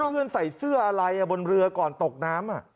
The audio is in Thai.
เพื่อนใส่เสื้ออะไรบนเรือก่อนตกน้ำ